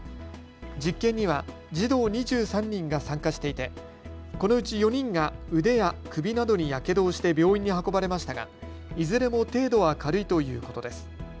実験には児童２３人が参加していてこのうち４人が腕や首などにやけどをして病院に運ばれましたが、いずれも程度は軽いということです。